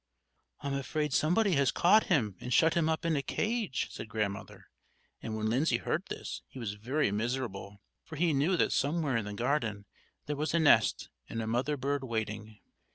"I'm afraid somebody has caught him and shut him up in a cage" said Grandmother; and when Lindsay heard this he was very miserable; for he knew that somewhere in the garden, there was a nest and a mother bird waiting.